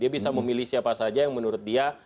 dia bisa memilih siapa saja yang menurut dia